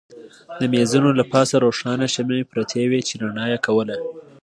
د مېزونو له پاسه روښانه شمعې پرتې وې چې رڼا یې کوله.